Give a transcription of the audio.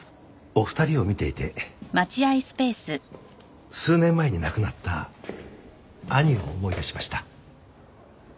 お二人を見ていて数年前に亡くなった兄を思い出しました。